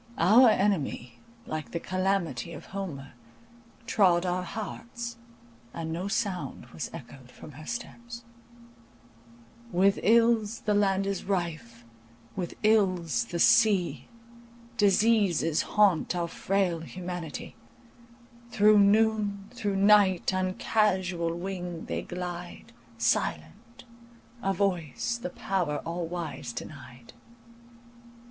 Our enemy, like the Calamity of Homer, trod our hearts, and no sound was echoed from her steps— With ills the land is rife, with ills the sea, Diseases haunt our frail humanity, Through noon, through night, on casual wing they glide, Silent,—a voice the power all wise denied.